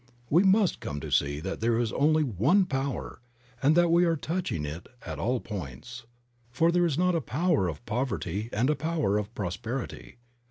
We must come to see that there is only One Power and that we are touching it at all points, for there is not a power of poverty and a power of prosperity.